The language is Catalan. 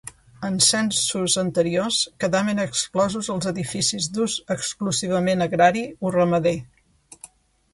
En censos anteriors quedaven exclosos els edificis d'ús exclusivament agrari o ramader.